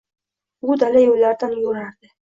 U dala yo‘llaridan yo‘rardi.